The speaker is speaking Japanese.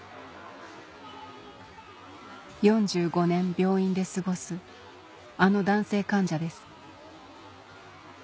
４５年病院で過ごすあの男性患者です